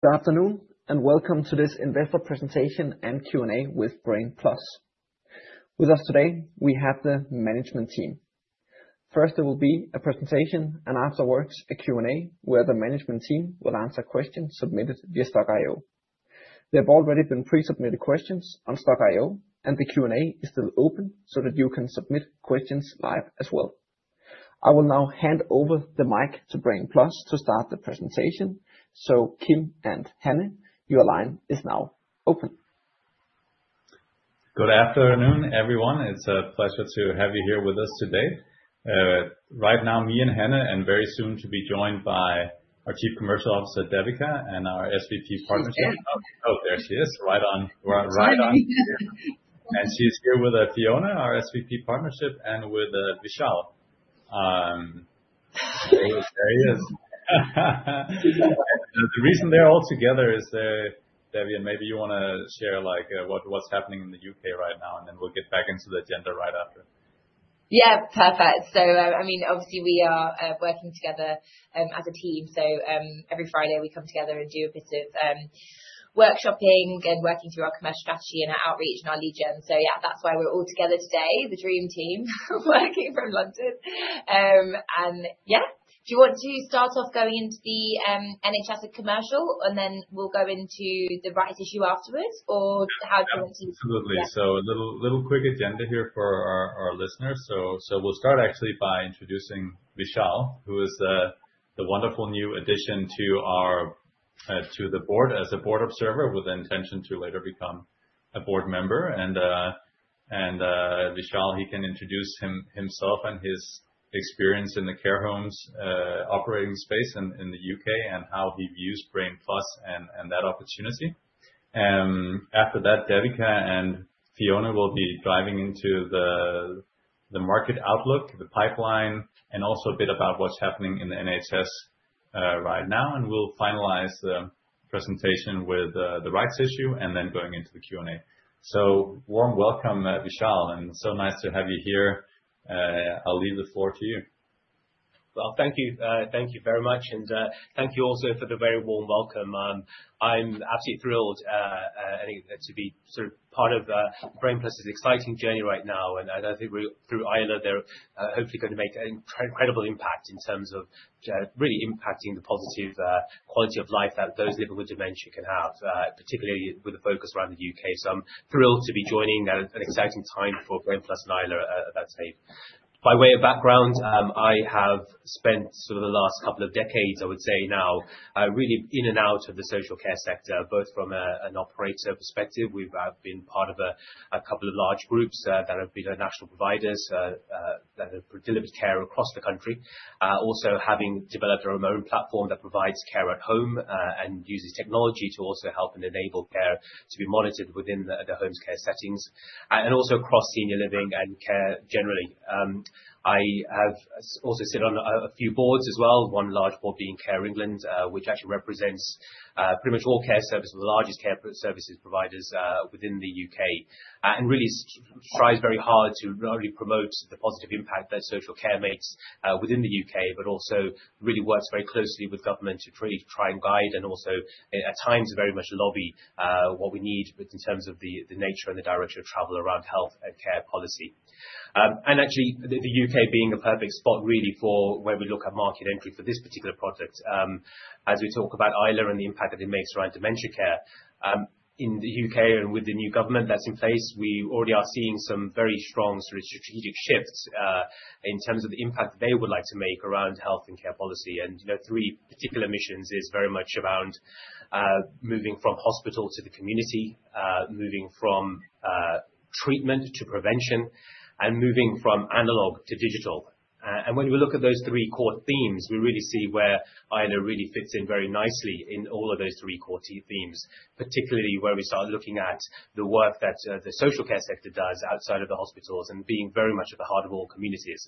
Good afternoon, and welcome to this Investor Presentation and Q&A with Brain+. With us today, we have the management team. First, there will be a presentation, and afterwards, a Q&A where the management team will answer questions submitted via Stokk.io. There have already been pre-submitted questions on Stokk.io, and the Q&A is still open so that you can submit questions live as well. I will now hand over the mic to Brain+ to start the presentation. Kim and Hanne, your line is now open. Good afternoon, everyone. It's a pleasure to have you here with us today. Right now, me and Hanne, and very soon to be joined by our Chief Commercial Officer, Devika, and our SVP Partnership. Oh, there she is, right on. Hi. Hi. She is here with Fiona, our SVP Partnership, and with Vishal. There he is. The reason they are all together is, Devi, maybe you want to share what is happening in the U.K. right now, and then we will get back into the agenda right after. Yeah, perfect. I mean, obviously, we are working together as a team. Every Friday, we come together and do a bit of workshopping and working through our commercial strategy and our outreach and our lead gen. Yeah, that's why we're all together today, the dream team working from London. Yeah, do you want to start off going into the NHS commercial, and then we'll go into the rights issue afterwards, or how do you want to? Absolutely. A little quick agenda here for our listeners. We'll start actually by introducing Vishal, who is the wonderful new addition to the board as a board observer with the intention to later become a board member. Vishal, he can introduce himself and his experience in the care homes operating space in the U.K. and how he views Brain+ and that opportunity. After that, Devika and Fiona will be diving into the market outlook, the pipeline, and also a bit about what's happening in the NHS right now. We'll finalize the presentation with the rights issue and then going into the Q&A. Warm welcome, Vishal, and so nice to have you here. I'll leave the floor to you. Thank you. Thank you very much. Thank you also for the very warm welcome. I'm absolutely thrilled to be sort of part of Brain+'s exciting journey right now. I think through Ayla, they're hopefully going to make an incredible impact in terms of really impacting the positive quality of life that those living with dementia can have, particularly with a focus around the U.K. I'm thrilled to be joining. An exciting time for Brain+ and Ayla at that stage. By way of background, I have spent sort of the last couple of decades, I would say now, really in and out of the social care sector, both from an operator perspective. We've been part of a couple of large groups that have been national providers that have delivered care across the country, also having developed our own platform that provides care at home and uses technology to also help and enable care to be monitored within the home care settings, and also across senior living and care generally. I have also sat on a few boards as well, one large board being Care England, which actually represents pretty much all care services, the largest care services providers within the U.K., and really strives very hard to not only promote the positive impact that social care makes within the U.K., but also really works very closely with government to try and guide and also, at times, very much lobby what we need in terms of the nature and the direction of travel around health and care policy. Actually, the U.K. is a perfect spot really for where we look at market entry for this particular project. As we talk about Ayla and the impact that it makes around dementia care, in the U.K. and with the new government that is in place, we already are seeing some very strong sort of strategic shifts in terms of the impact they would like to make around health and care policy. Three particular missions are very much around moving from hospital to the community, moving from treatment to prevention, and moving from analog to digital. When we look at those three core themes, we really see where Ayla really fits in very nicely in all of those three core themes, particularly where we start looking at the work that the social care sector does outside of the hospitals and being very much at the heart of all communities.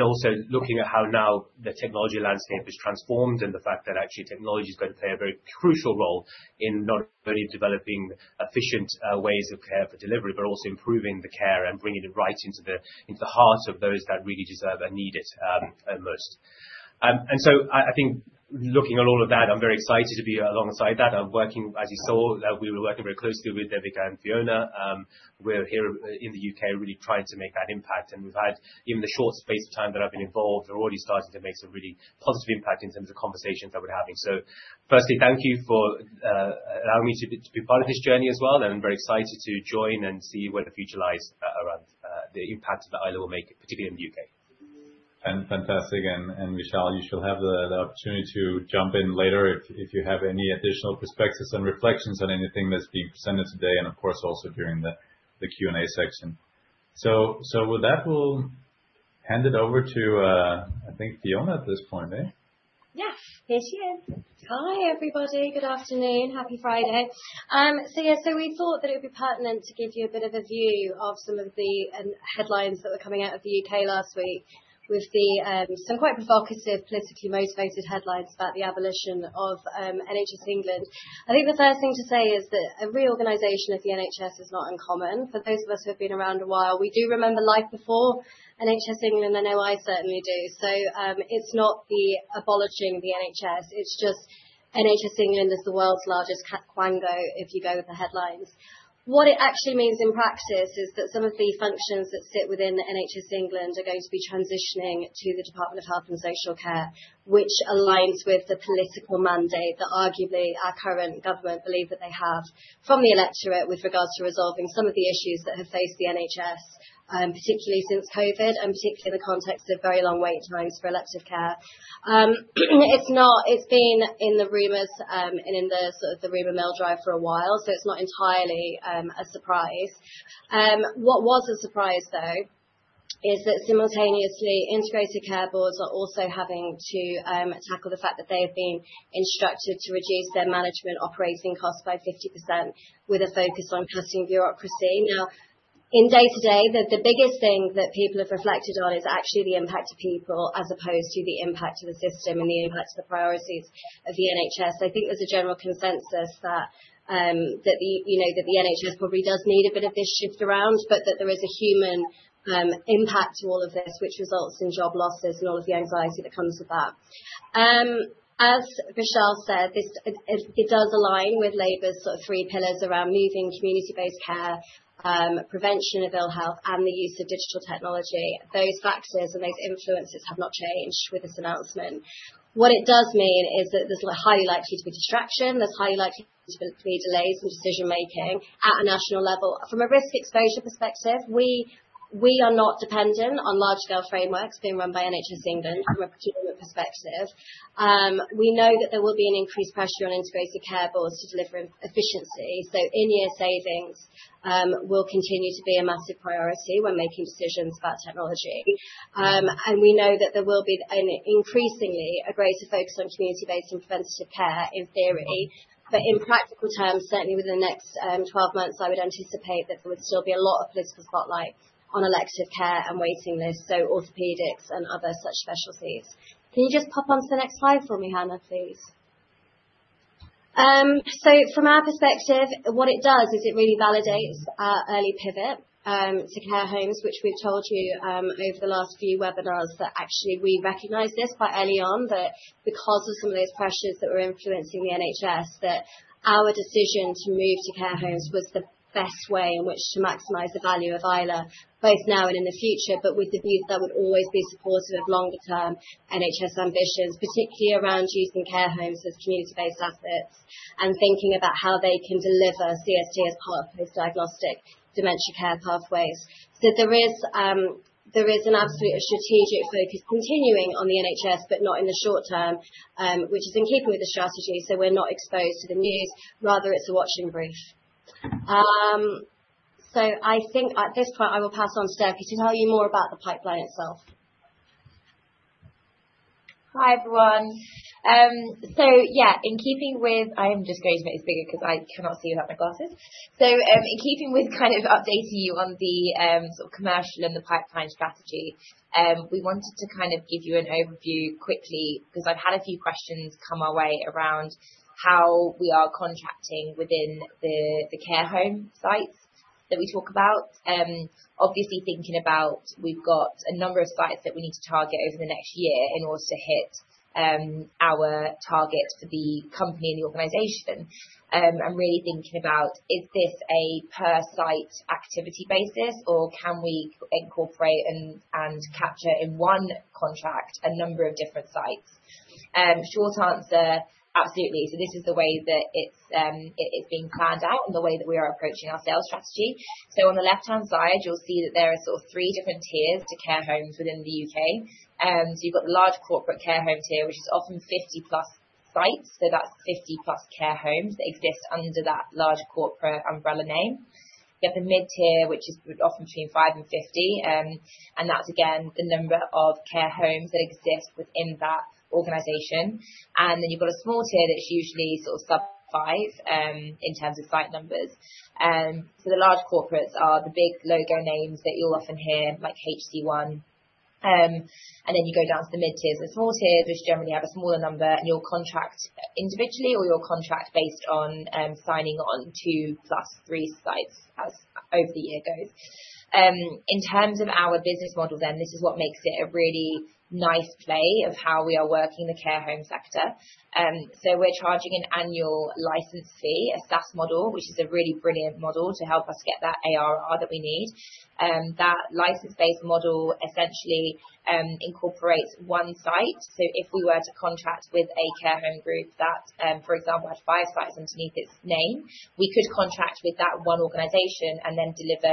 Also looking at how now the technology landscape is transformed and the fact that actually technology is going to play a very crucial role in not only developing efficient ways of care for delivery, but also improving the care and bringing it right into the heart of those that really deserve and need it most. I think looking at all of that, I'm very excited to be alongside that. I'm working, as you saw, we were working very closely with Devika and Fiona here in the U.K., really trying to make that impact. We've had, in the short space of time that I've been involved, we're already starting to make some really positive impact in terms of conversations that we're having. Firstly, thank you for allowing me to be part of this journey as well. I am very excited to join and see where the future lies around the impact that Ayla will make, particularly in the U.K. Fantastic. Vishal, you should have the opportunity to jump in later if you have any additional perspectives and reflections on anything that's being presented today and, of course, also during the Q&A section. With that, we'll hand it over to, I think, Fiona at this point, Yes. Here she is. Hi, everybody. Good afternoon. Happy Friday. We thought that it would be pertinent to give you a bit of a view of some of the headlines that were coming out of the U.K. last week with some quite provocative, politically motivated headlines about the abolition of NHS England. I think the first thing to say is that a reorganization of the NHS is not uncommon. For those of us who have been around a while, we do remember life before NHS England, and now I certainly do. It is not the abolishing of the NHS. It is just NHS England is the world's largest fat quango if you go with the headlines. What it actually means in practice is that some of the functions that sit within NHS England are going to be transitioning to the Department of Health and Social Care, which aligns with the political mandate that arguably our current government believes that they have from the electorate with regards to resolving some of the issues that have faced the NHS, particularly since COVID and particularly in the context of very long wait times for elective care. It's been in the rumors and in the sort of the rumor mill drive for a while, so it's not entirely a surprise. What was a surprise, though, is that simultaneously, Integrated Care Boards are also having to tackle the fact that they have been instructed to reduce their management operating costs by 50% with a focus on cutting bureaucracy. Now, in day-to-day, the biggest thing that people have reflected on is actually the impact of people as opposed to the impact of the system and the impact of the priorities of the NHS. I think there's a general consensus that the NHS probably does need a bit of this shift around, but that there is a human impact to all of this, which results in job losses and all of the anxiety that comes with that. As Vishal said, it does align with Labour's sort of three pillars around moving community-based care, prevention of ill health, and the use of digital technology. Those factors and those influences have not changed with this announcement. What it does mean is that there's highly likely to be distraction. There's highly likely to be delays in decision-making at a national level. From a risk exposure perspective, we are not dependent on large-scale frameworks being run by NHS England from a procurement perspective. We know that there will be an increased pressure on Integrated Care Boards to deliver efficiency. In-year savings will continue to be a massive priority when making decisions about technology. We know that there will be increasingly a greater focus on community-based and preventative care in theory. In practical terms, certainly within the next 12 months, I would anticipate that there would still be a lot of political spotlight on elective care and waiting lists, so orthopedics and other such specialties. Can you just pop onto the next slide for me, Hanne, please? From our perspective, what it does is it really validates our early pivot to care homes, which we've told you over the last few webinars that actually we recognize this quite early on, that because of some of those pressures that were influencing the NHS, that our decision to move to care homes was the best way in which to maximize the value of Ayla, both now and in the future, but with the view that that would always be supportive of longer-term NHS ambitions, particularly around using care homes as community-based assets and thinking about how they can deliver CST as part of post-diagnostic dementia care pathways. There is an absolute strategic focus continuing on the NHS, but not in the short term, which is in keeping with the strategy. We're not exposed to the news. Rather, it's a watching group. I think at this point, I will pass on to Devi to tell you more about the pipeline itself. Hi, everyone. Yeah, in keeping with I am just going to make this bigger because I cannot see without my glasses. In keeping with kind of updating you on the sort of commercial and the pipeline strategy, we wanted to kind of give you an overview quickly because I've had a few questions come our way around how we are contracting within the care home sites that we talk about. Obviously, thinking about we've got a number of sites that we need to target over the next year in order to hit our target for the company and the organization. I'm really thinking about, is this a per-site activity basis, or can we incorporate and capture in one contract a number of different sites? Short answer, absolutely. This is the way that it's being planned out and the way that we are approaching our sales strategy. On the left-hand side, you'll see that there are sort of three different tiers to care homes within the U.K. You've got the large corporate care home tier, which is often 50+ sites. That's 50+ care homes that exist under that large corporate umbrella name. You have the mid-tier, which is often between 5 and 50. That's, again, the number of care homes that exist within that organization. Then you've got a small tier that's usually sort of sub-5 in terms of site numbers. The large corporates are the big logo names that you'll often hear, like HC-One. You go down to the mid-tiers and small tiers, which generally have a smaller number, and you'll contract individually or you'll contract based on signing on two plus three sites as over the year goes. In terms of our business model, this is what makes it a really nice play of how we are working the care home sector. We're charging an annual license fee, a SaaS model, which is a really brilliant model to help us get that ARR that we need. That license-based model essentially incorporates one site. If we were to contract with a care home group that, for example, had five sites underneath its name, we could contract with that one organization and then deliver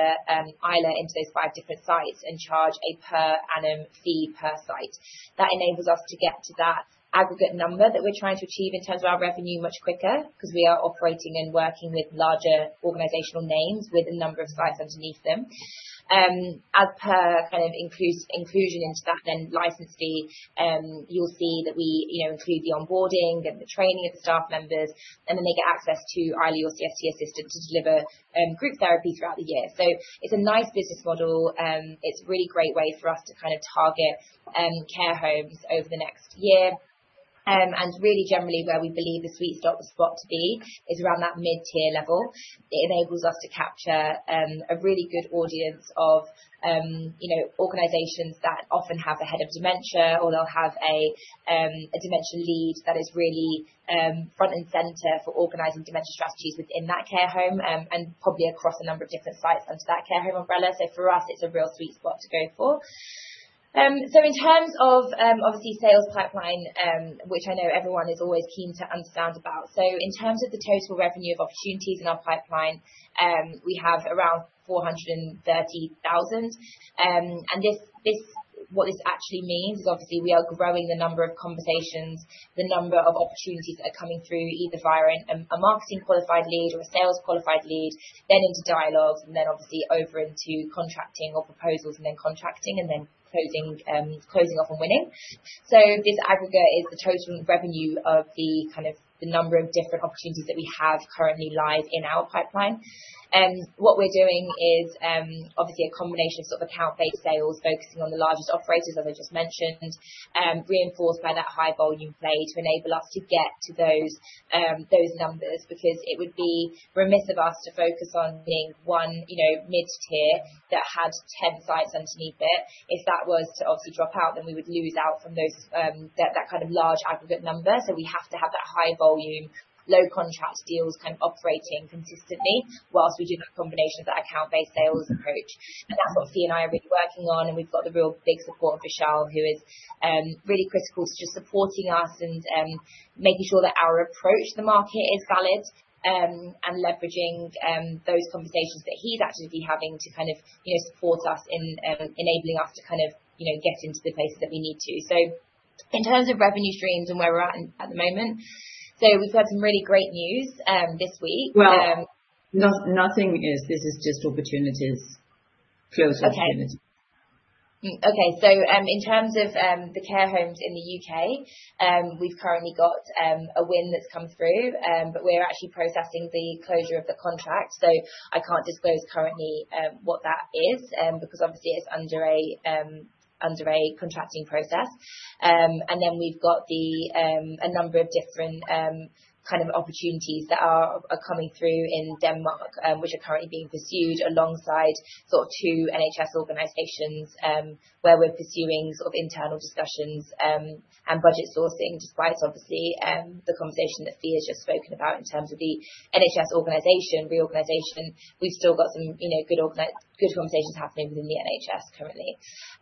Ayla into those five different sites and charge a per-annum fee per site. That enables us to get to that aggregate number that we're trying to achieve in terms of our revenue much quicker because we are operating and working with larger organizational names with a number of sites underneath them. As per kind of inclusion into that, then license fee, you'll see that we include the onboarding and the training of the staff members, and then they get access to Ayla or CST assistant to deliver group therapy throughout the year. It's a nice business model. It's a really great way for us to kind of target care homes over the next year. Really, generally, where we believe the sweet spot to be is around that mid-tier level. It enables us to capture a really good audience of organizations that often have a head of dementia or they'll have a dementia lead that is really front and center for organizing dementia strategies within that care home and probably across a number of different sites under that care home umbrella. For us, it's a real sweet spot to go for. In terms of, obviously, sales pipeline, which I know everyone is always keen to understand about. In terms of the total revenue of opportunities in our pipeline, we have around 430,000. What this actually means is, obviously, we are growing the number of conversations, the number of opportunities that are coming through either via a marketing qualified lead or a sales qualified lead, then into dialogues, and then, obviously, over into contracting or proposals and then contracting and then closing off and winning. This aggregate is the total revenue of the kind of the number of different opportunities that we have currently live in our pipeline. What we are doing is, obviously, a combination of sort of account-based sales focusing on the largest operators, as I just mentioned, reinforced by that high volume play to enable us to get to those numbers because it would be remiss of us to focus on one mid-tier that had 10 sites underneath it. If that was to obviously drop out, then we would lose out from that kind of large aggregate number. We have to have that high volume, low contract deals kind of operating consistently whilst we do that combination of that account-based sales approach. That is what Fiona and I are really working on. We have got the real big support of Vishal, who is really critical to just supporting us and making sure that our approach to the market is valid and leveraging those conversations that he is actively having to kind of support us in enabling us to kind of get into the places that we need to. In terms of revenue streams and where we are at at the moment, we have heard some really great news this week. Nothing is this is just opportunities, closed opportunities. Okay. In terms of the care homes in the U.K., we've currently got a win that's come through, but we're actually processing the closure of the contract. I can't disclose currently what that is because, obviously, it's under a contracting process. We've got a number of different kind of opportunities that are coming through in Denmark, which are currently being pursued alongside sort of two NHS organizations where we're pursuing sort of internal discussions and budget sourcing, despite, obviously, the conversation that Fiona has just spoken about in terms of the NHS organization reorganization. We've still got some good conversations happening within the NHS currently.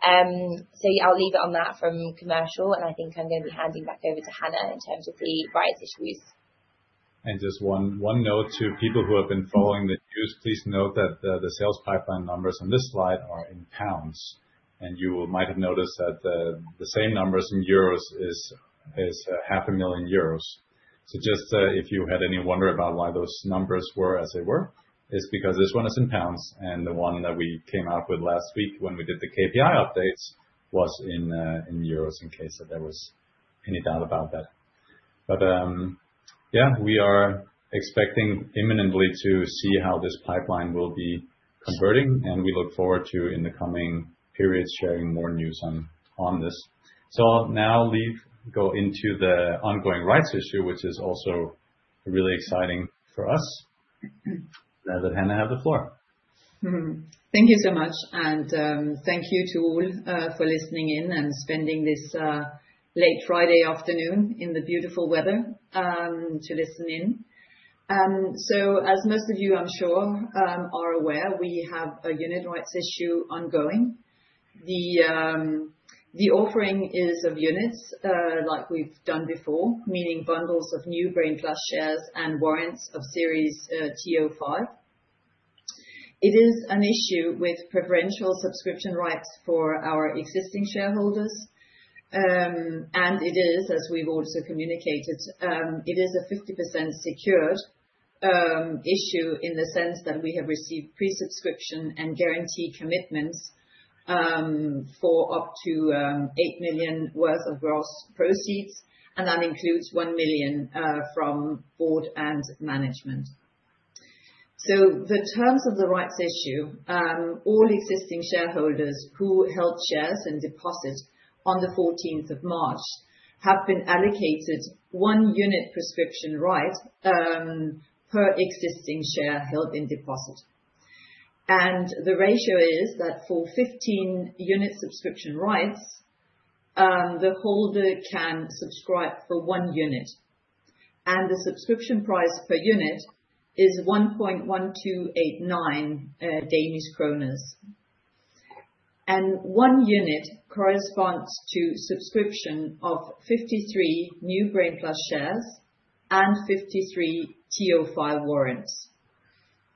I'll leave it on that from commercial. I think I'm going to be handing back over to Hanne in terms of the rights issues. Just one note to people who have been following the news, please note that the sales pipeline numbers on this slide are in GBP. You might have noticed that the same numbers in EUR is 500,000 euros. If you had any wonder about why those numbers were as they were, it is because this one is in GBP. The one that we came out with last week when we did the KPI updates was in EUR in case there was any doubt about that. We are expecting imminently to see how this pipeline will be converting. We look forward to, in the coming period, sharing more news on this. I will now go into the ongoing Rights Issue, which is also really exciting for us. Now that Hanne has the floor. Thank you so much. Thank you to all for listening in and spending this late Friday afternoon in the beautiful weather to listen in. As most of you, I'm sure, are aware, we have a unit rights issue ongoing. The offering is of units like we've done before, meaning bundles of new Brain+ shares and warrants of series TO 5. It is an issue with preferential subscription rights for our existing shareholders. It is, as we've also communicated, a 50% secured issue in the sense that we have received pre-subscription and guaranteed commitments for up to 8 million worth of gross proceeds. That includes 1 million from board and management. The terms of the rights issue: all existing shareholders who held shares in deposit on the 14th of March have been allocated one unit subscription right per existing share held in deposit. The ratio is that for 15 unit subscription rights, the holder can subscribe for one unit. The subscription price per unit is 1.1289 Danish kroner. One unit corresponds to subscription of 53 new Brain+ shares and 53 TO5 warrants.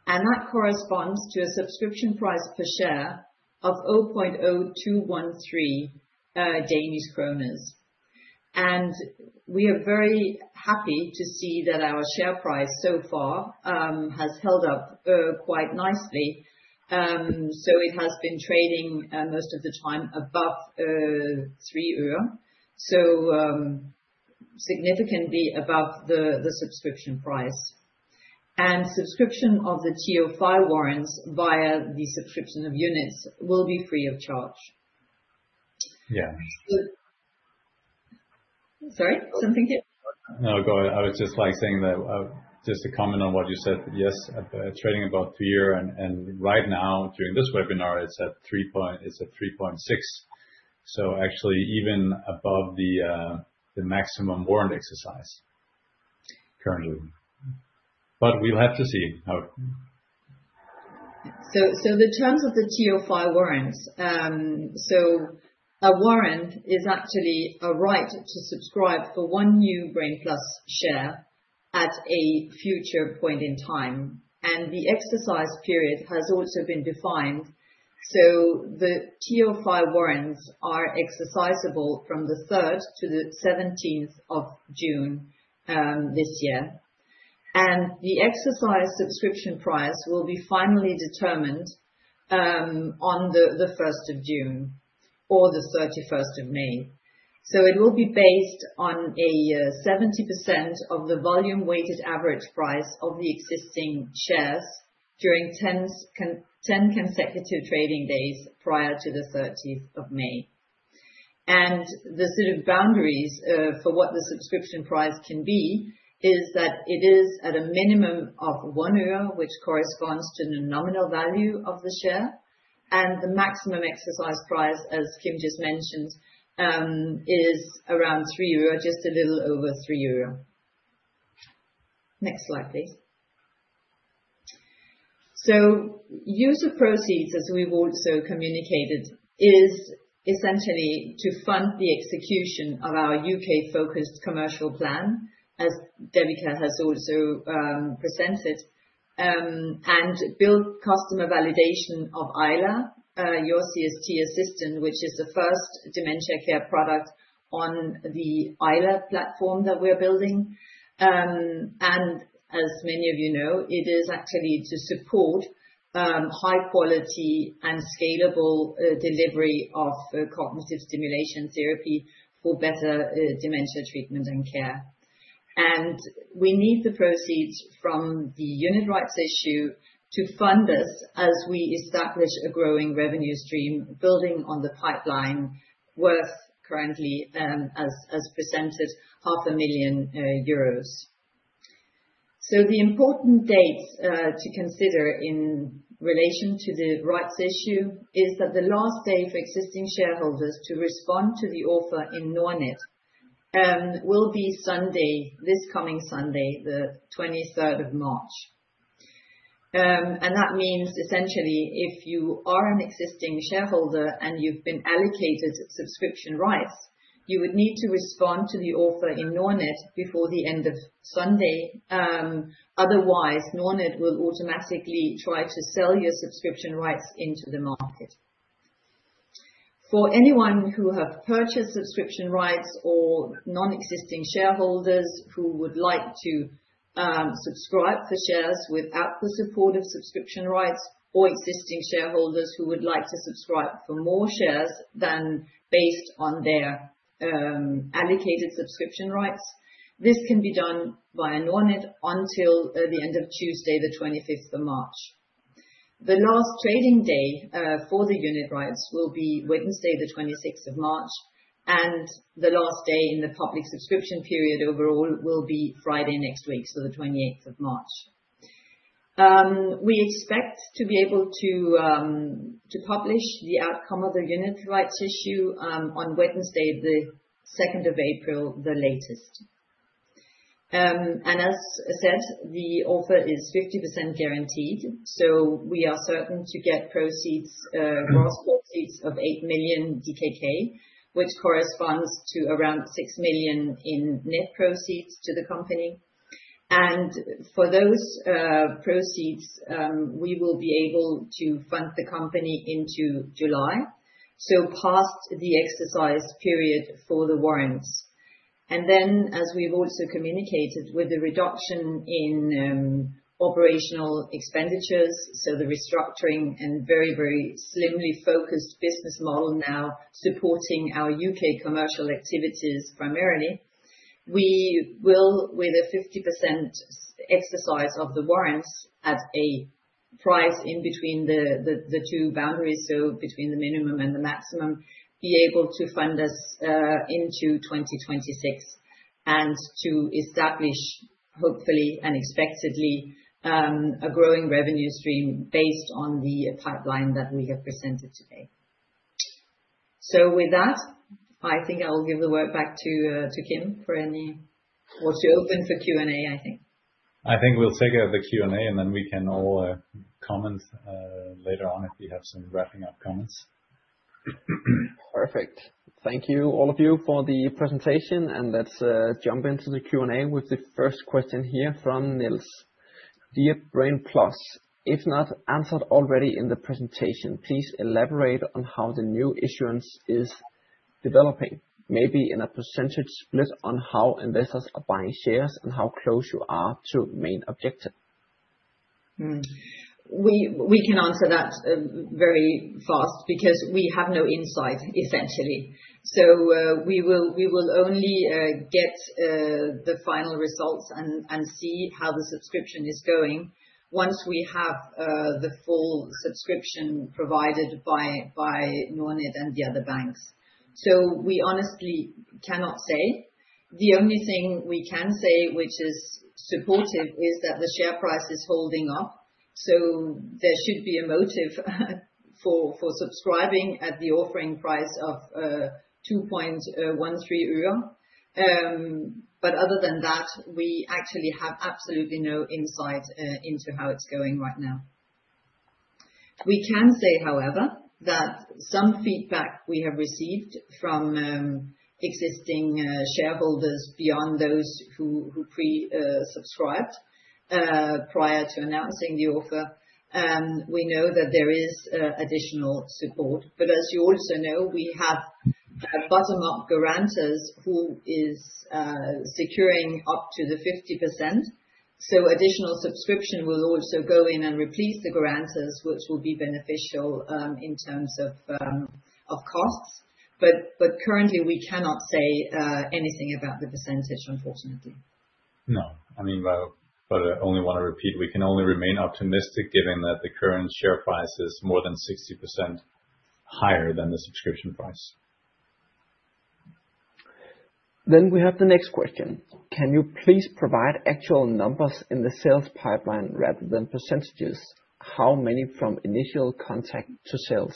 That corresponds to a subscription price per share of 0.0213 Danish kroner. We are very happy to see that our share price so far has held up quite nicely. It has been trading most of the time above 3 euro, significantly above the subscription price. Subscription of the TO5 warrants via the subscription of units will be free of charge. Yeah. Sorry? Something? No, go ahead. I was just saying that just a comment on what you said. Yes, trading above EUR 3. And right now, during this webinar, it's at 3.6. Actually, even above the maximum warrant exercise currently. We'll have to see how. The terms of the TO5 warrants, a warrant is actually a right to subscribe for one new Brain+ share at a future point in time. The exercise period has also been defined. The TO5 warrants are exercisable from the 3rd to the 17th of June this year. The exercise subscription price will be finally determined on the 1st of June or the 31st of May. It will be based on 70% of the volume-weighted average price of the existing shares during 10 consecutive trading days prior to the 30th of May. The sort of boundaries for what the subscription price can be is that it is at a minimum of 1 euro, which corresponds to the nominal value of the share. The maximum exercise price, as Kim just mentioned, is around 3 euro, just a little over 3 euro. Next slide, please. Use of proceeds, as we've also communicated, is essentially to fund the execution of our U.K.-focused commercial plan, as Devika has also presented, and build customer validation of Ayla, your CST assistant, which is the first dementia care product on the Ayla platform that we're building. As many of you know, it is actually to support high-quality and scalable delivery of cognitive stimulation therapy for better dementia treatment and care. We need the proceeds from the unit rights issue to fund us as we establish a growing revenue stream building on the pipeline worth currently, as presented, 500,000 euros. The important dates to consider in relation to the rights issue is that the last day for existing shareholders to respond to the offer in Nordnet will be Sunday, this coming Sunday, the 23rd of March. That means, essentially, if you are an existing shareholder and you have been allocated subscription rights, you would need to respond to the offer in Nordnet before the end of Sunday. Otherwise, Nordnet will automatically try to sell your subscription rights into the market. For anyone who has purchased subscription rights or non-existing shareholders who would like to subscribe for shares without the support of subscription rights or existing shareholders who would like to subscribe for more shares than based on their allocated subscription rights, this can be done via Nordnet until the end of Tuesday, the 25th of March. The last trading day for the unit rights will be Wednesday, the 26th of March. The last day in the public subscription period overall will be Friday next week, so the 28th of March. We expect to be able to publish the outcome of the unit rights issue on Wednesday, the 2nd of April, at the latest. As I said, the offer is 50% guaranteed. We are certain to get gross proceeds of 8 million DKK, which corresponds to around 6 million in net proceeds to the company. For those proceeds, we will be able to fund the company into July, past the exercise period for the warrants. As we've also communicated, with the reduction in operational expenditures, the restructuring and very, very slimly focused business model now supporting our U.K. commercial activities primarily, we will, with a 50% exercise of the warrants at a price in between the two boundaries, so between the minimum and the maximum, be able to fund us into 2026 and to establish, hopefully and expectedly, a growing revenue stream based on the pipeline that we have presented today. With that, I think I'll give the word back to Kim for any or to open for Q&A, I think. I think we'll take the Q&A, and then we can all comment later on if we have some wrapping up comments. Perfect. Thank you, all of you, for the presentation. Let's jump into the Q&A with the first question here from Nils. Dear Brain+, if not answered already in the presentation, please elaborate on how the new issuance is developing, maybe in a percentage split on how investors are buying shares and how close you are to main objective. We can answer that very fast because we have no insight, essentially. We will only get the final results and see how the subscription is going once we have the full subscription provided by Nordnet and the other banks. We honestly cannot say. The only thing we can say, which is supportive, is that the share price is holding up. There should be a motive for subscribing at the offering price of 2.13 euro. Other than that, we actually have absolutely no insight into how it's going right now. We can say, however, that some feedback we have received from existing shareholders beyond those who pre-subscribed prior to announcing the offer, we know that there is additional support. As you also know, we have bottom-up guarantors who are securing up to the 50%. Additional subscription will also go in and replace the guarantors, which will be beneficial in terms of costs. Currently, we cannot say anything about the percentage, unfortunately. No. I mean, but I only want to repeat, we can only remain optimistic given that the current share price is more than 60% higher than the subscription price. We have the next question. Can you please provide actual numbers in the sales pipeline rather than percentages? How many from initial contact to sales?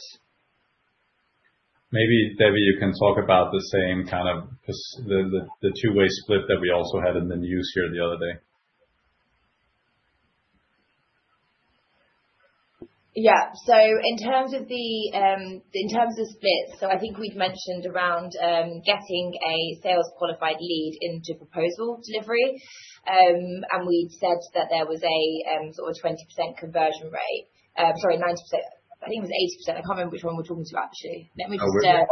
Maybe, Devi, you can talk about the same kind of the two-way split that we also had in the news here the other day. Yeah. In terms of the split, I think we'd mentioned around getting a sales-qualified lead into proposal delivery. We'd said that there was a sort of 20% conversion rate. Sorry, 90%. I think it was 80%. I can't remember which one we're talking to, actually. Let me just check.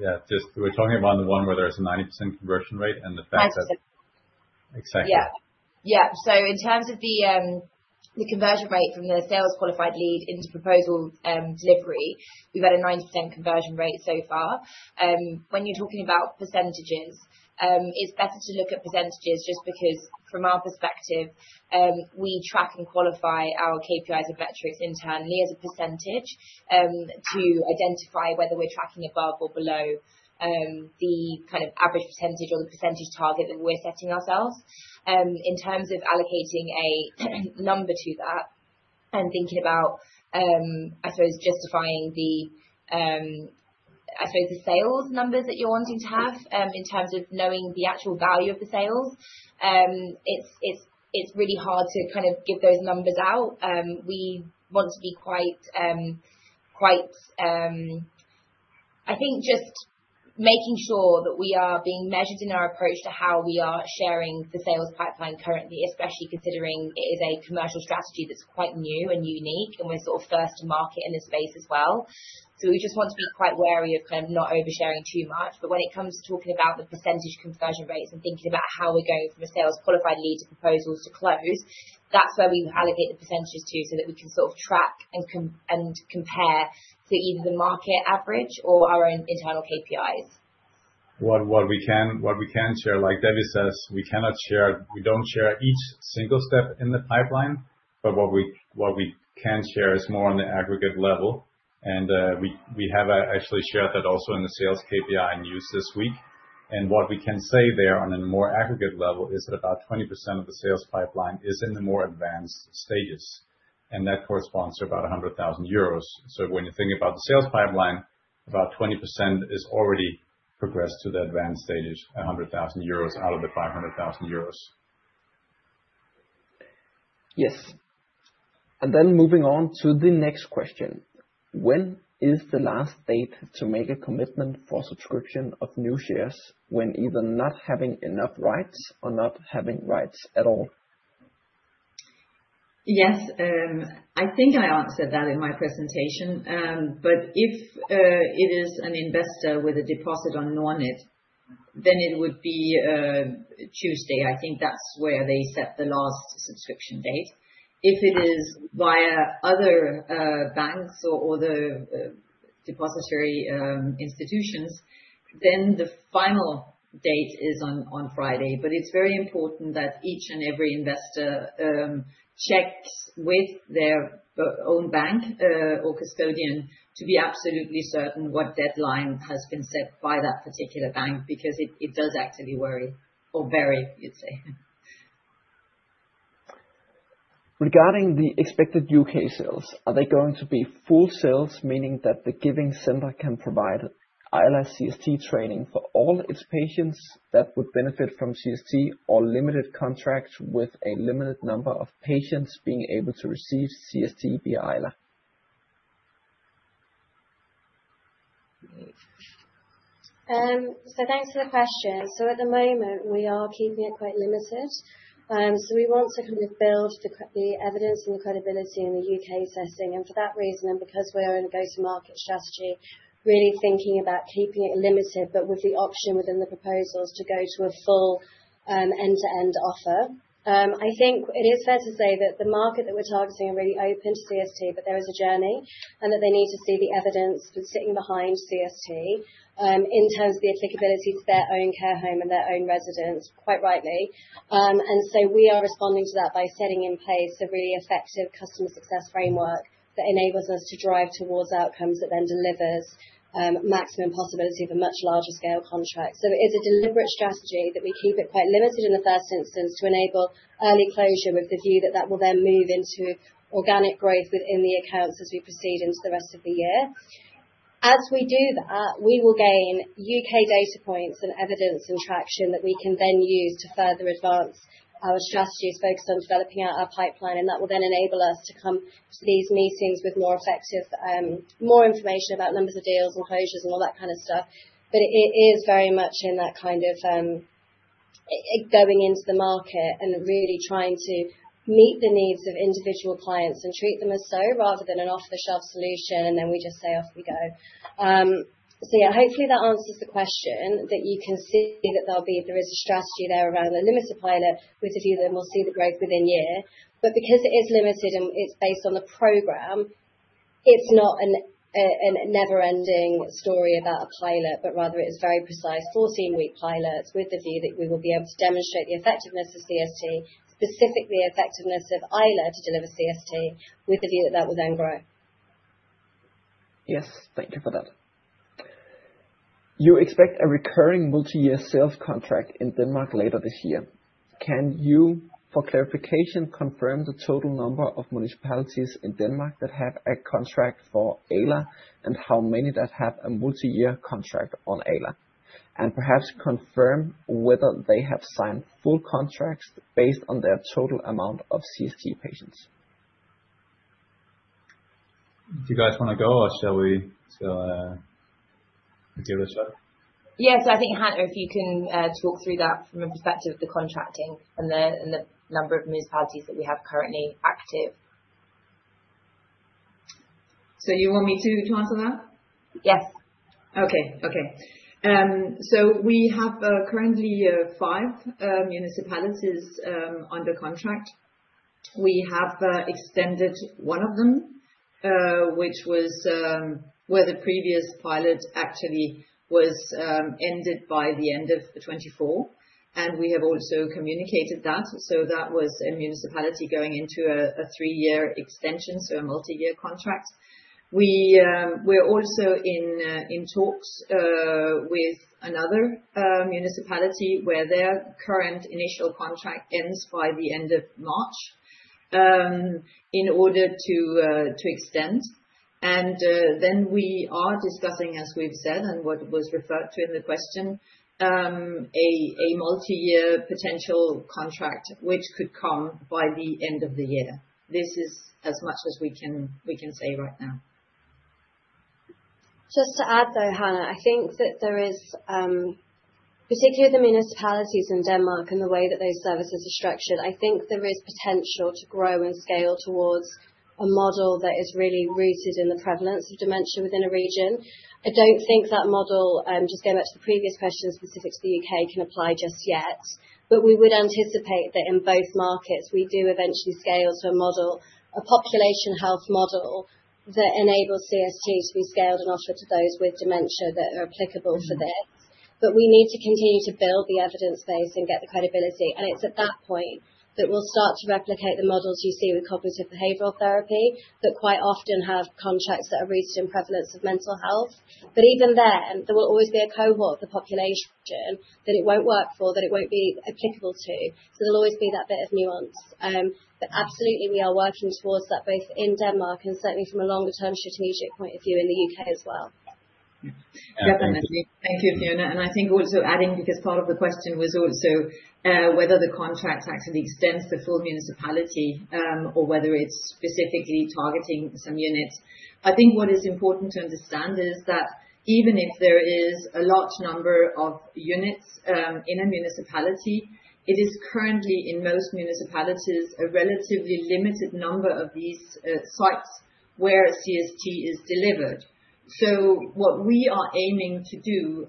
Yeah. We're talking about the one where there's a 90% conversion rate and the fact that. 90%. Exactly. Yeah. Yeah. In terms of the conversion rate from the sales-qualified lead into proposal delivery, we've had a 90% conversion rate so far. When you're talking about percentages, it's better to look at percentages just because, from our perspective, we track and qualify our KPIs and metrics internally as a percentage to identify whether we're tracking above or below the kind of average percentage or the percentage target that we're setting ourselves. In terms of allocating a number to that and thinking about, I suppose, justifying the, I suppose, the sales numbers that you're wanting to have in terms of knowing the actual value of the sales, it's really hard to kind of give those numbers out. We want to be quite, I think, just making sure that we are being measured in our approach to how we are sharing the sales pipeline currently, especially considering it is a commercial strategy that is quite new and unique, and we are sort of first to market in this space as well. We just want to be quite wary of kind of not oversharing too much. When it comes to talking about the % conversion rates and thinking about how we are going from a sales-qualified lead to proposals to close, that is where we allocate the % to so that we can sort of track and compare to either the market average or our own internal KPIs. What we can share, like Devi says, we cannot share we do not share each single step in the pipeline. What we can share is more on the aggregate level. We have actually shared that also in the sales KPI and news this week. What we can say there on a more aggregate level is that about 20% of the sales pipeline is in the more advanced stages. That corresponds to about 100,000 euros. When you think about the sales pipeline, about 20% is already progressed to the advanced stages, 100,000 euros out of the 500,000 euros. Yes. Moving on to the next question. When is the last date to make a commitment for subscription of new shares when either not having enough rights or not having rights at all? Yes. I think I answered that in my presentation. If it is an investor with a deposit on Nordnet, then it would be Tuesday. I think that's where they set the last subscription date. If it is via other banks or other depository institutions, the final date is on Friday. It is very important that each and every investor checks with their own bank or custodian to be absolutely certain what deadline has been set by that particular bank because it does actually vary, you'd say. Regarding the expected U.K. sales, are they going to be full sales, meaning that the giving center can provide Ayla CST training for all its patients that would benefit from CST or limited contract with a limited number of patients being able to receive CST via Ayla? Thank you for the question. At the moment, we are keeping it quite limited. We want to kind of build the evidence and the credibility in the U.K. setting. For that reason, and because we are in a go-to-market strategy, we are really thinking about keeping it limited but with the option within the proposals to go to a full end-to-end offer. I think it is fair to say that the market that we are targeting are really open to CST, but there is a journey, and they need to see the evidence for sitting behind CST in terms of the applicability to their own care home and their own residents, quite rightly. We are responding to that by setting in place a really effective customer success framework that enables us to drive towards outcomes that then delivers maximum possibility of a much larger scale contract. It is a deliberate strategy that we keep it quite limited in the first instance to enable early closure with the view that that will then move into organic growth within the accounts as we proceed into the rest of the year. As we do that, we will gain U.K. data points and evidence and traction that we can then use to further advance our strategies focused on developing our pipeline. That will then enable us to come to these meetings with more information about numbers of deals and closures and all that kind of stuff. It is very much in that kind of going into the market and really trying to meet the needs of individual clients and treat them as so rather than an off-the-shelf solution, and then we just say, "Off we go." Yeah, hopefully that answers the question that you can see that there is a strategy there around the limited pilot with a view that we'll see the growth within a year. Because it is limited and it's based on the program, it's not a never-ending story about a pilot, but rather it is very precise 14-week pilots with the view that we will be able to demonstrate the effectiveness of CST, specifically the effectiveness of Ayla to deliver CST with the view that that will then grow. Yes. Thank you for that. You expect a recurring multi-year sales contract in Denmark later this year. Can you, for clarification, confirm the total number of municipalities in Denmark that have a contract for Ayla and how many that have a multi-year contract on Ayla? Perhaps confirm whether they have signed full contracts based on their total amount of CST patients? Do you guys want to go, or shall we give it a shot? Yeah. I think Hanne, if you can talk through that from a perspective of the contracting and the number of municipalities that we have currently active. You want me to answer that? Yes. Okay. Okay. We have currently five municipalities under contract. We have extended one of them, which was where the previous pilot actually was ended by the end of 2024. We have also communicated that. That was a municipality going into a three-year extension, so a multi-year contract. We are also in talks with another municipality where their current initial contract ends by the end of March in order to extend. We are discussing, as we have said and what was referred to in the question, a multi-year potential contract, which could come by the end of the year. This is as much as we can say right now. Just to add, though, Hanne, I think that there is, particularly the municipalities in Denmark and the way that those services are structured, I think there is potential to grow and scale towards a model that is really rooted in the prevalence of dementia within a region. I do not think that model, just going back to the previous question specific to the U.K., can apply just yet. We would anticipate that in both markets, we do eventually scale to a model, a population health model that enables CST to be scaled and offered to those with dementia that are applicable for this. We need to continue to build the evidence base and get the credibility. It is at that point that we will start to replicate the models you see with cognitive behavioral therapy that quite often have contracts that are rooted in prevalence of mental health. Even then, there will always be a cohort of the population that it won't work for, that it won't be applicable to. There will always be that bit of nuance. Absolutely, we are working towards that both in Denmark and certainly from a longer-term strategic point of view in the U.K. as well. Definitely. Thank you, Fiona. I think also adding because part of the question was also whether the contract actually extends to full municipality or whether it's specifically targeting some units. I think what is important to understand is that even if there is a large number of units in a municipality, it is currently, in most municipalities, a relatively limited number of these sites where CST is delivered. What we are aiming to do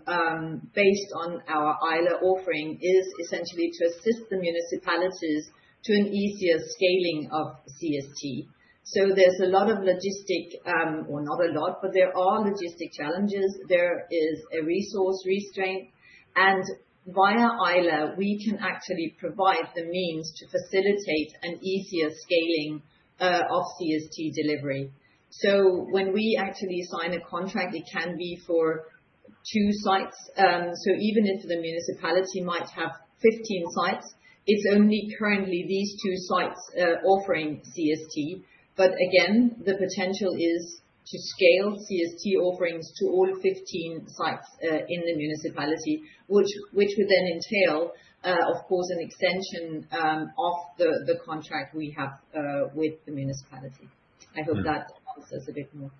based on our Ayla offering is essentially to assist the municipalities to an easier scaling of CST. There are logistic or not a lot, but there are logistic challenges. There is a resource restraint. Via Ayla, we can actually provide the means to facilitate an easier scaling of CST delivery. When we actually sign a contract, it can be for two sites. Even if the municipality might have 15 sites, it's only currently these two sites offering CST. Again, the potential is to scale CST offerings to all 15 sites in the municipality, which would then entail, of course, an extension of the contract we have with the municipality. I hope that answers a bit more.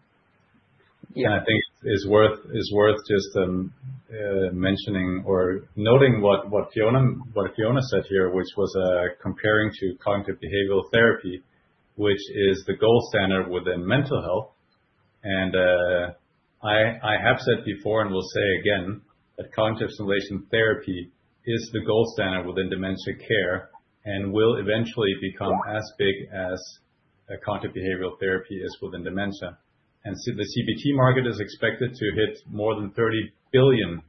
Yeah. I think it's worth just mentioning or noting what Fiona said here, which was comparing to cognitive behavioral therapy, which is the gold standard within mental health. I have said before and will say again that cognitive stimulation therapy is the gold standard within dementia care and will eventually become as big as cognitive behavioral therapy is within dementia. The CBT market is expected to hit more than $30 billion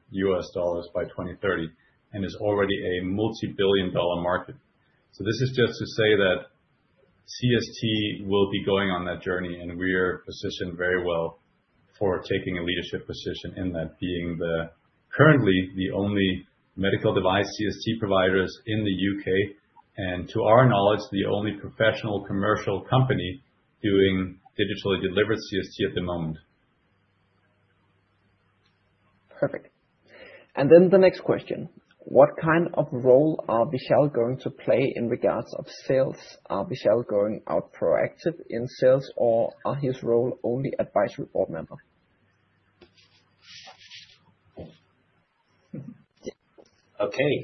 by 2030 and is already a multi-billion dollar market. This is just to say that CST will be going on that journey, and we're positioned very well for taking a leadership position in that, being currently the only medical device CST providers in the U.K. and, to our knowledge, the only professional commercial company doing digitally delivered CST at the moment. Perfect. The next question. What kind of role are Vishal going to play in regards of sales? Are Vishal going out proactive in sales, or are his role only advisory board member? Okay.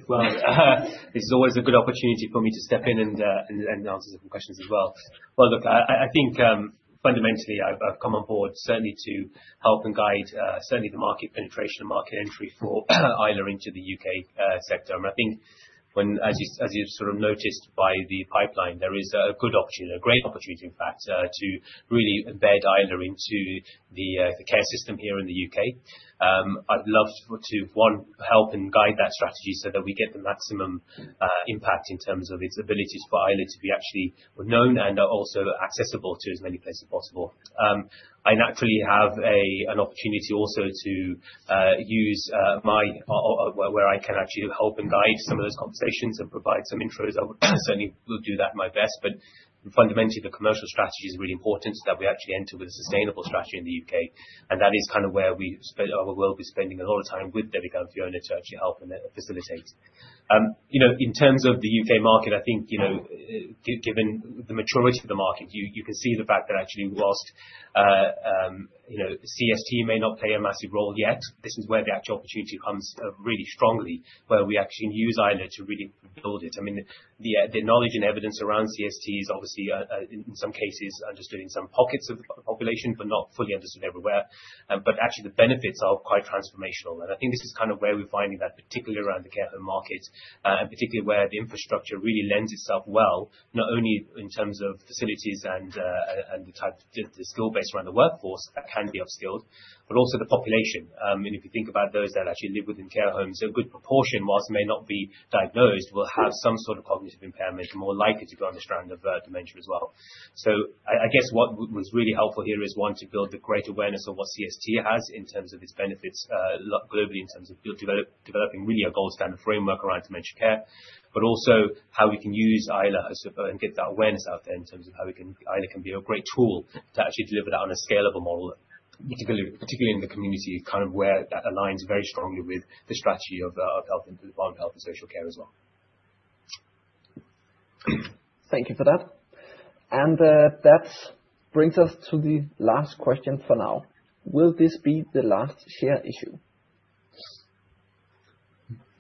This is always a good opportunity for me to step in and answer some questions as well. Look, I think fundamentally, I've come on board certainly to help and guide certainly the market penetration and market entry for Ayla into the U.K. sector. I think when, as you've sort of noticed by the pipeline, there is a good opportunity, a great opportunity, in fact, to really embed Ayla into the care system here in the U.K. I'd love to, one, help and guide that strategy so that we get the maximum impact in terms of its abilities for Ayla to be actually known and also accessible to as many places as possible. I naturally have an opportunity also to use my, where I can actually help and guide some of those conversations and provide some intros. I certainly will do that my best. Fundamentally, the commercial strategy is really important so that we actually enter with a sustainable strategy in the U.K. That is kind of where we will be spending a lot of time with Devika and Fiona to actually help and facilitate. In terms of the U.K. market, I think given the maturity of the market, you can see the fact that actually, whilst CST may not play a massive role yet, this is where the actual opportunity comes really strongly, where we actually use Ayla to really build it. I mean, the knowledge and evidence around CST is obviously, in some cases, understood in some pockets of the population but not fully understood everywhere. Actually, the benefits are quite transformational. I think this is kind of where we're finding that, particularly around the care home market, and particularly where the infrastructure really lends itself well, not only in terms of facilities and the skill base around the workforce that can be upskilled, but also the population. If you think about those that actually live within care homes, a good proportion, whilst they may not be diagnosed, will have some sort of cognitive impairment and are more likely to go on the strand of dementia as well. I guess what was really helpful here is, one, to build the great awareness of what CST has in terms of its benefits globally in terms of developing really a gold standard framework around dementia care, but also how we can use Ayla and get that awareness out there in terms of how Ayla can be a great tool to actually deliver that on a scalable model, particularly in the community kind of where that aligns very strongly with the strategy of health and social care as well. Thank you for that. That brings us to the last question for now. Will this be the last share issue?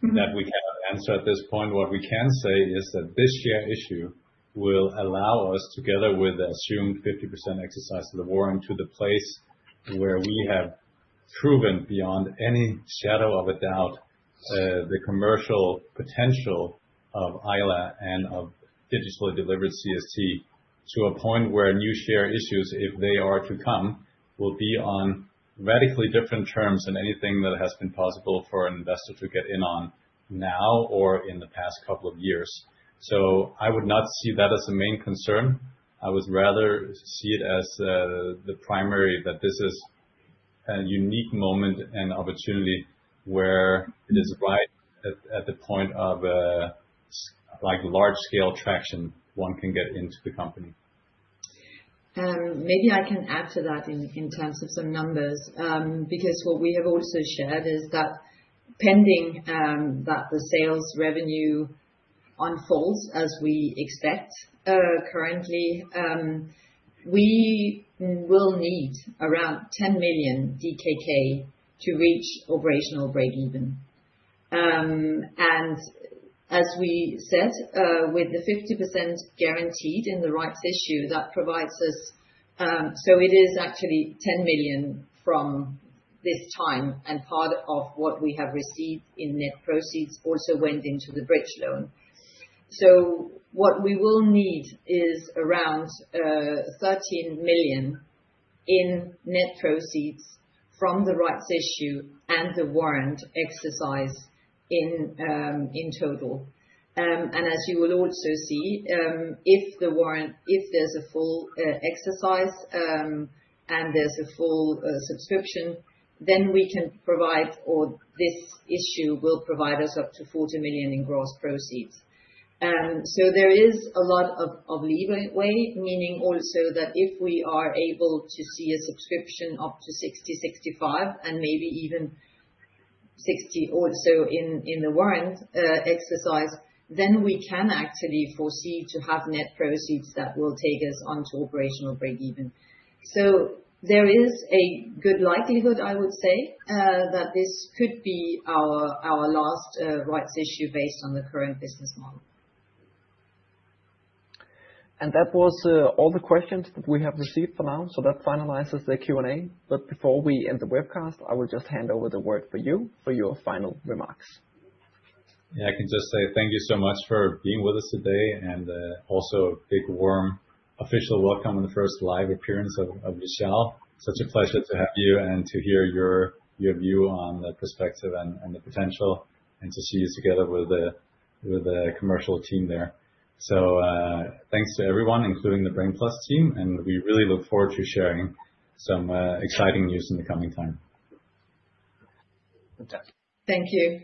That we cannot answer at this point. What we can say is that this share issue will allow us, together with the assumed 50% exercise of the warrants, to the place where we have proven beyond any shadow of a doubt the commercial potential of Ayla and of digitally delivered CST to a point where new share issues, if they are to come, will be on radically different terms than anything that has been possible for an investor to get in on now or in the past couple of years. I would not see that as a main concern. I would rather see it as the primary that this is a unique moment and opportunity where it is right at the point of large-scale traction one can get into the company. Maybe I can add to that in terms of some numbers because what we have also shared is that pending that the sales revenue unfolds as we expect currently, we will need around 10 million DKK to reach operational break-even. As we said, with the 50% guaranteed in the rights issue, that provides us so it is actually 10 million from this time. Part of what we have received in net proceeds also went into the bridge loan. What we will need is around 13 million in net proceeds from the rights issue and the warrant exercise in total. As you will also see, if there is a full exercise and there is a full subscription, then we can provide or this issue will provide us up to 40 million in gross proceeds. There is a lot of leeway, meaning also that if we are able to see a subscription up to 60, 65, and maybe even 60 also in the warrant exercise, then we can actually foresee to have net proceeds that will take us onto operational break-even. There is a good likelihood, I would say, that this could be our last rights issue based on the current business model. That was all the questions that we have received for now. That finalizes the Q&A. Before we end the webcast, I will just hand over the word for you for your final remarks. Yeah. I can just say thank you so much for being with us today and also a big, warm official welcome and the first live appearance of Vishal. Such a pleasure to have you and to hear your view on the perspective and the potential and to see you together with the commercial team there. Thanks to everyone, including the Brain+ team. We really look forward to sharing some exciting news in the coming time. Thank you.